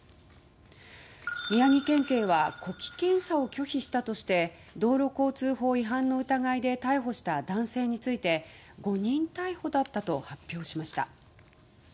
宮城県警は呼気検査を拒否したとして道路交通法違反の疑いで逮捕した男性について誤認逮捕だったと発表しました。